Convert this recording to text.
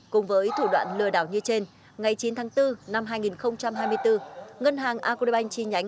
cùng với thủ đoạn lừa đảo như trên ngày chín tháng bốn năm hai nghìn hai mươi bốn